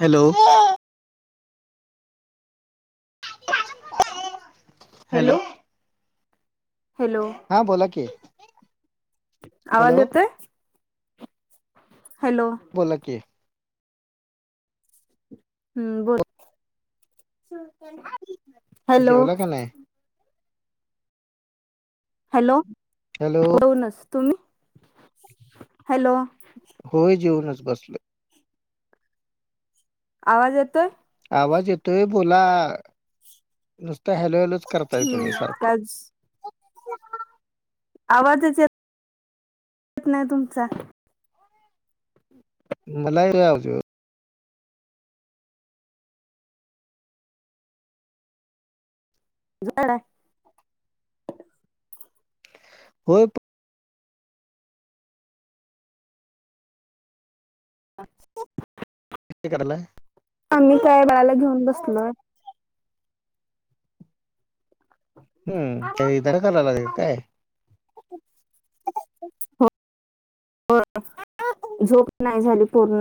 Hello. Hello. Hello. हा बोला की हॅलो आवाज येतोय? हॅलो. बोला की. हम्म. बोल. हॅलो. जेवला का नाही हॅलो. हॅलो. होनच. तुम्ही? हॅलो. होय. जेऊनच बसलोय. आवाज येतोय? आवाज येतोय. बोला. नुसत हॅलो, हॅलोच करताय तुम्ही हम्म सारखं. का आवाजच येत येत नाही तुमचा. मला येतोय आवाज. जाणा. होय प अच्छा. हे करायलाय. आम्ही काय बाळाला घेऊन बसलोय. हम्म. काय धर धरलाय काय. होय. झोप नाही झाली पुर्ण.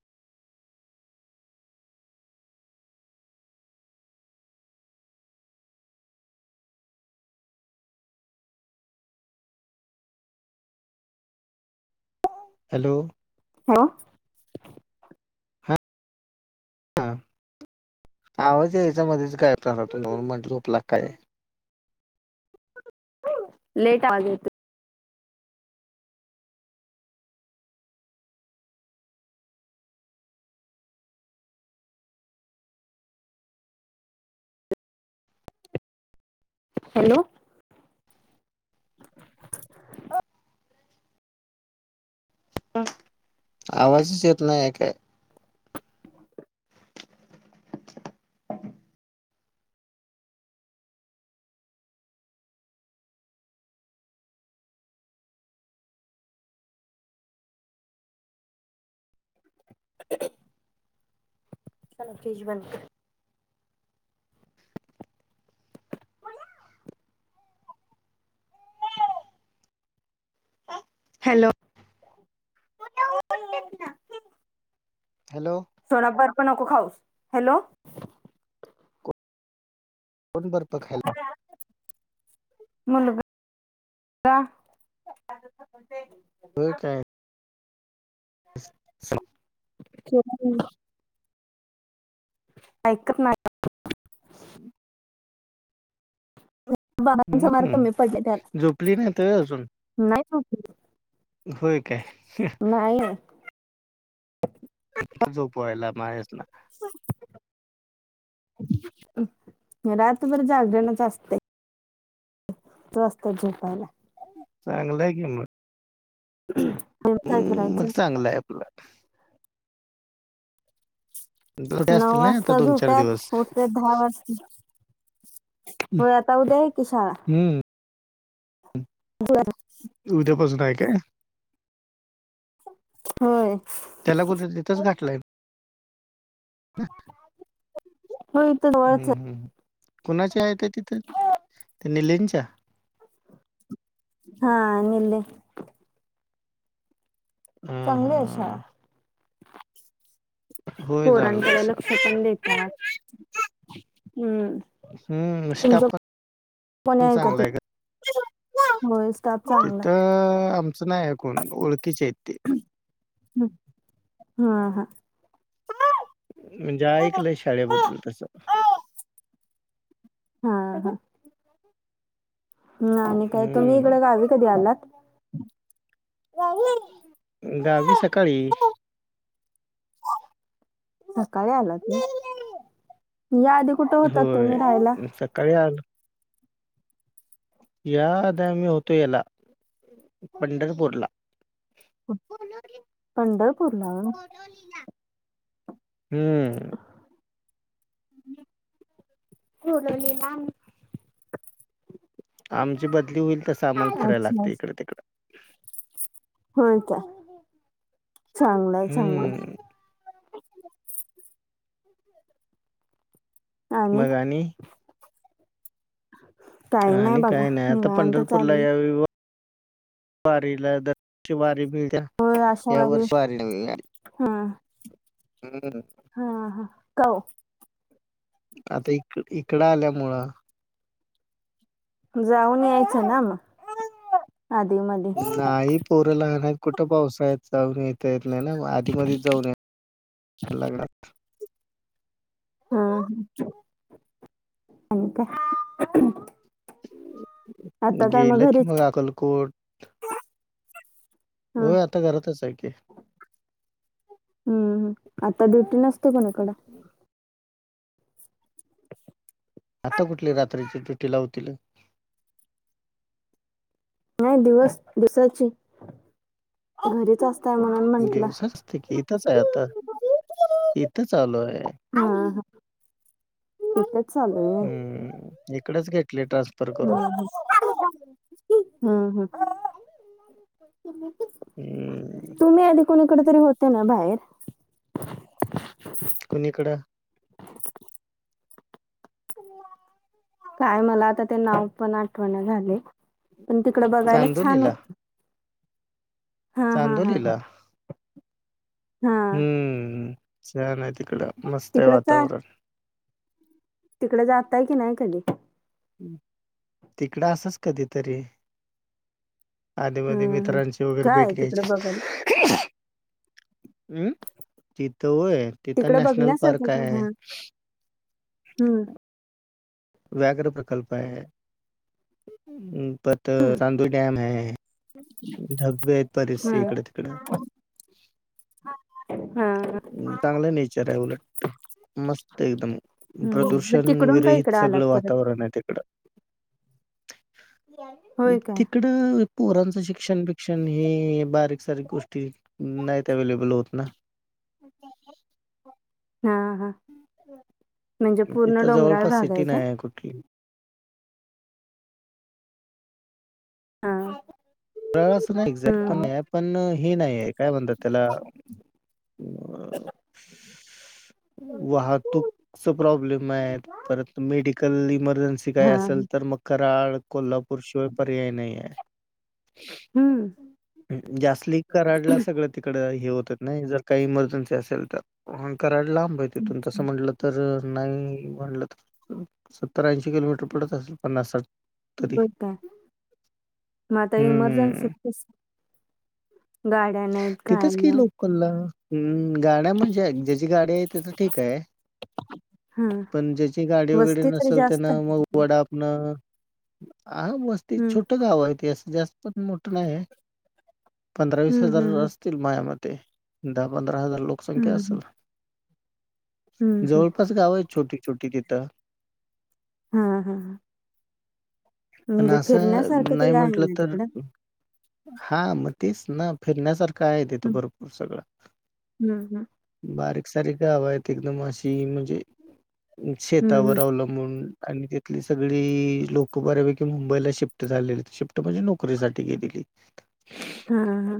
हॅलो. हॅलो. हा आवाज यायचा मध्येच गायब झाला. म्हणून म्हटलं झोपला काय. हम लेट आवाज येतोय. हॅलो. ओ. [unintelligible] आवाजच येत नाहीय काय. चालु आहे. फ्रीज बंद केले. हॅलो. हॅलो. तेवढा बर्फ नको खाऊस. हॅलो. फोन करतो की. [unintelligible] मुलगा हा. होय काय [unintelligible] [unintelligible] ऐकत नाही. बाबाचा मार हम्म कमी पडले त्याला. झोपली नाही तर अजून नाही. होय काय? नाही आज झोपवायला मारे च ना. रातभर जागरनच असतंय. तो असतो झोपायला. चांगलंय कि मग. मग काय करायचं? लाईफला सुट्ट्या नऊ असतील ना आता वाजता झोप्यात दिवस? उठ ते दहा वाजता, हो आता उद्या आहे कि शाळा. हम्म, [unintelligible] [unintelligible] उद्यापासून आहे काय? होय. त्याला कुठं तिंथंच घाटलंय? [unintelligible] होय जवळच हम्म आहे. हम् कुणाच्या आहे त्या तिथे, त्या निलेंच्या? हा निले. हां, चांगले आहे शाळा. हां. होय, चांगलं आहे पोरांकडे श लक्ष पण देतात, हम्म. हम्म स्टाप पण कोण्या चांगला ऐकतीत आहे का? होय स्टाप तिथं, आमचं नाही हाय कोण. ओळखीचे आहेत ते. हम हा हा. म्हणजे ऐकलंय शाळेबद्दल तसं. हा हा. ना आणि काय तुम्ही हं, इकडे गावी कधी आलात? गावी सकाळी. सकाळी आलात ना, या आधी कुठे होतात होय, तुम्ही राहायला? सकाळी आलोय. या आधी आम्ही होतो, याला पंढरपूरला. पंढरपूरला? हम्म. कोरोली लांब आमची बदली होईल तसं आम्हाला फिरायला अच्छा लागतं अच्छा इकडं तिकडं. होय काय? चांगलंय चांगलंय. हम्म. मग आणि काही नाही आणि बघा काय नाय, आता निवांत पंढरपूरला चालली या वेळी वारीला दत्तची वारी मिलत्याय. होय अशा या वर्ष वारी नही यार. हा हा हा क- -. आतइ इक इकडं आल्यामुळं. जाऊन यायचं ना मग. आधी -मध्यी नाही पोरं लहान आहे, कुठं पावसाळ्यात जाऊ रे येत नाही ना, मं आदी -मधीच जाऊन यायला लगणार. हा, आणि काय? आता काय गेलं की घरीच मग हा अक्कलकोट होय आता घरातच आहे की. हम्म, आत्ता ड्युटी नसते कोणी कडं? आता कुठंली रात्रीची ड्युटी लावतील? नाही दिवस, दिवसाची घरीच आस दिवसाची त कि इथंच आहे आता, इथंच आलो आहे. हा-हा हिथंच चालू ये. इकडेच घेतले ट्रान्स् हम्, हं, हम्म, हम्. [inaudible] तुम्ही आधी कोणीकडे तरी होतं ना बाहेर? कुणी कडं? काय मला आता ते नाव पण आठवना झाले. पण तिकडं बघायला छान चांदोलीला. होतं. हा चांदोली ला? हा हम्म, छान आहे तिकडं, मस्त आहे तिकडं वातावरण. तिकडं जातायं की नाही कधी? तिकडं असंच कधीतरी आधीमधी हम्म हम्म मित्रांची वगैरे काय भेट तिकडं घ्यायची. बघायला हम्, तिथं होय तिथं तिकडं नॅशनल पार्क बघण्यासारखंच आहे. हा हम्म, व्याघ्र प्रकल्प आहे, परत हम्म चांदोली डॅम आहे. धाबधबे हेत हा बरेचसे इकडं-तिकडं. हा चांगलं नेचर आहे उलट. मस्त एकदम, हम्म मग प्रदूषण तिकडून काय विरहित इकडं आलात सगळं परत वातावरण आहे तिकडं. होय काय तिकडं पोरांचाबब शि-हहहह शोक्षण हि बारीक सारीक गो-ष्टी नाहीत अवे्लेबल होत ना हा- हा. म्हणजे पूर्ण डोंगराळ भाग आहे काय,?. ठीह हा, रेंज नाही, एक्झाम पण हम्म नाहि येतं पण हे नाहीये काय म्हणतात त्याला? अ वाहवतुक प्रॉब्लेम आहे, परत मेडिकल इमर्जन्सी काय हा असेल तर मग कराड, कोल्हापूर शिवाय पर्याय नाही आहे. हम्म, जास्ली कराडला सगळं तिकडं हे होतत नाही जर काही इमर्जन्सी असेल तर, कराड लांब ये तिथून तस म्हटलं तर नाही म्हणलं तर, सत्तर -ऐंशी किलोमीटर तो पडत असलं पन्नास-साठ तरी, होय काय मग आता हं, हु, इमर्जन्सी हम्मम्. गाड्या नाहीत, काय नाही. कोल्हा हम गाड्या म्हणजे ज्याची गाडी आहे त्याच ठीक आहे हा पण ज्याची गाडी वगैरे वस्ती तरी नसेल जास्त त्यांना आहे मग तिकडे वडाप न आ वस्तीत हम्म छोट गाव हाय ते असं पण मोठं नाही हाय. पंधरा, वीस हम्म हजार हम्म असतील माझ्या मते दहा, पंधरा हजार लोकसंख्या हम्म आसंल. हम्म हम्म हम्म जवळपास गाव आहेत छोटी, छोटी तिथं हम हम पण म्हणजे असं फिरण्यासारखं तरी आहे ना तिकडं हा मग तेच ना फिरण्यासारखं आहे तिथं हम्म भरपूर सगळं हम्म हम्म बारीक, सारीक गावं आहेत एकदम अशी म्हणजे हम्म हम्म. शेतावर अवलंब बून आणि तिथली सगळी लोकं बऱ्यापैकी मुंबईला शिफ्ट झालेल म्हणजे नोकरीसाठी गेली. हा हा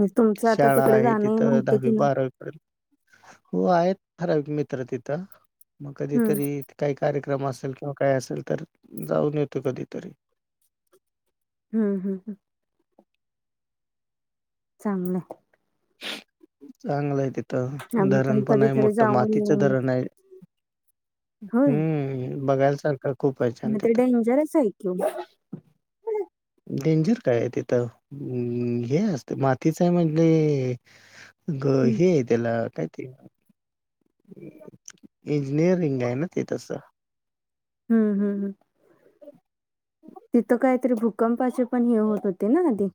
मग तुमचं आता शाळा तिकडे आहे जाणं येणं तिथं होतं दहावी, की नाही बारावी हो आहेत ठराविक मित्र तिथं, मग हम्म कधीतरी काही कार्यक्रम असेल किंवा काय असेल तर, जाऊन येतो कधीतरी हम्म हम् चांगलं चांगलं हाय तिथं, आम्ही धरण पण हाय कधीतरी मोठं, जाऊन येऊ मातीचं मग धरण हाय. हम्म बघायला सारखं. खूप आहे छान म ते तिथं डेंजर च हाय की ओ. डेंजर काय हाय तिथं हे असतं मातीचं हाय म्हणजे ग हम्म हे हाय तेला काय ते इंजिनिअरिंग आहे ना ते तसं हम्म हम्म हम्म तिथं काहीतरी भूकंपाचे पण हे होत होते ना आधी?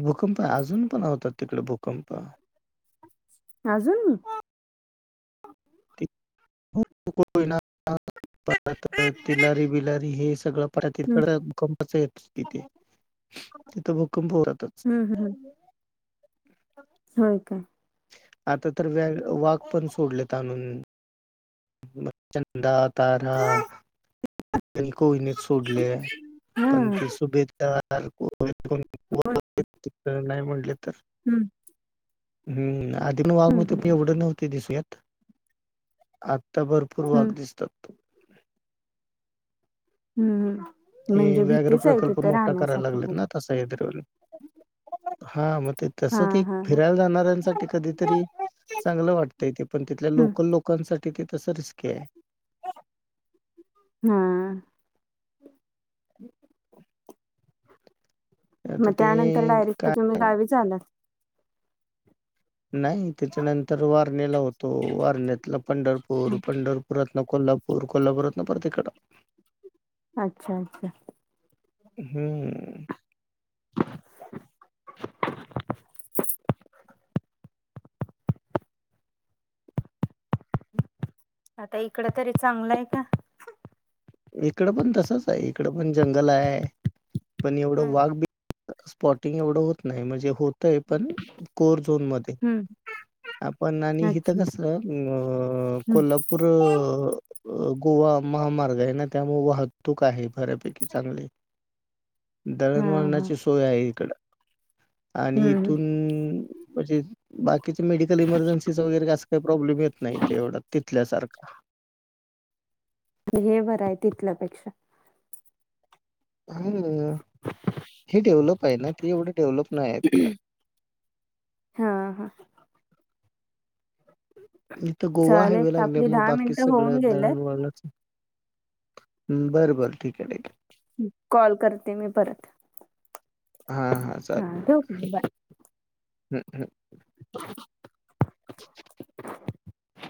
भूकंप, आजून पण होतात तिकडं भूकंप. आजून? [unintelligible] कोयना ह परत तिलारी, बिलारी हे सगळं परत हम्म तिकडं भूकंपाचं आहेत. तिथे तिथं भूकंप होऊ राहतात. [unintelligible] होय काय. आता तर व्या वाघ पण सोडलेत आणून. चंदा, तारा [unintelligible] कोयनेत सोडले, हा पण ते [unintelligible] [unintelligible] होय नाही म्हटले तर हम्म हम्म आधी पण वाघ हम्म हुत हम्म एवढं नव्हत दिसून येत आ ता भरपूर वाघ हम्म दिसतात. हम्म ते म्हणजे व्याघ्र भीतीच आहे प्रकल्प तिथं मोठा कराय राहण्यासाठी लागलेत पण ना आता, सह्याद्री वाले हा मग हा तसं ते हा हा फिरायला जाणाऱ्यांसाठी कधीतरी चांगलं वाटतंय ते, पण तिथल्या हम्म लोकल प लोकांसाठी ते तसं रिस्की हाय. [inaudible] हा [inaudible] आता मग ते त्यानंतर डायरेक्ट काय तुम्ही गावीच आलात नाही त्याच्यानंतर वारणेला होतो वारणेतलं पंढरपूर पंढरप परतन कोल्हापूर कोल्हापूरातन परत इकडं अच्छा अच्छा हम्म आता इकडं तरी चांगलं आहे का इकडं पण तसंच आहे, इकडं पण जंगल आहे पण हा. एवढं वाघ बी स्पॉटिंग एवढं होत नाही म्हणजे होतय पण कोर झोन मध्ये हम्म आपण आणि इथं अच्छा कसं कोल्हा पूर गोवा महामार्ग आहे ना त्यामुळे वाहत तूक आहे बऱ्यापैकी चांगली हा हा दळणवळणाची सोय आहे इकडं आणि हम्म इथून म्हणजे बा मेडिकल इमर्जन्सीचा वगैरे असं काही प्रॉब्लेम येत नाही तेवढा तिथल्या सारखा हे बरं आहे तिथल्यापेक्षा हा हे डेव्हलप आहे ना ते एवढं डेव्हलप नाही आहे तिकडं हा हा इथं गोवा चालेल हायवे आपली लागल्यामुळे दहा बाकीचं मिनिटं होऊन सगळं गेलंय दळण वळणच ठीक आहे. कॉल करते मी परत हां हां चालेल. हा [inaudible] बाय हं हं.